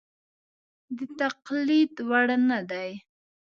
د تقلید وړ نه دي.